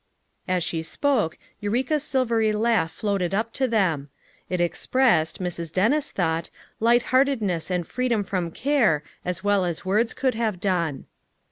As she spoke, Eureka's silvery laugh floated up to them; it expressed, Mrs. Dennis thought, light heartedness and freedom from care as well as words could have done.